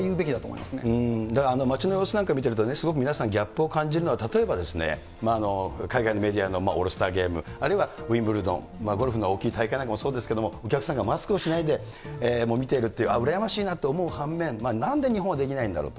だから街の様子なんか見てるとすごく皆さん、ギャップを感じるのは例えば、海外のメディアのオールスターゲーム、あるいはウインブルドン、ゴルフの大きい大会なんかもそうですけれども、お客さんがマスクをしないで見ているっていう、羨ましいなって思う反面、なんで日本はできないんだろうと。